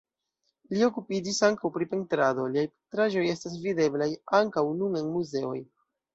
Li okupiĝis ankaŭ pri pentrado, liaj pentraĵoj estas videblaj ankaŭ nun en muzeoj.